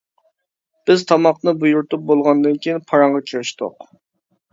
بىز تاماقنى بۇيرۇتۇپ بولغاندىن كېيىن پاراڭغا كىرىشتۇق.